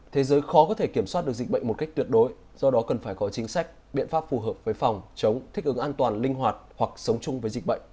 thế giới khó có thể kiểm soát được dịch bệnh một cách tuyệt đối do đó cần phải có chính sách biện pháp phù hợp với phòng chống thích ứng an toàn linh hoạt hoặc sống chung với dịch bệnh